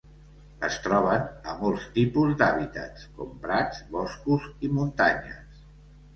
Es troben a molts tipus d'hàbitats, com prats, boscos i muntanyes.